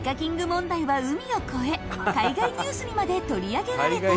問題は海を越え海外ニュースにまで取り上げられた。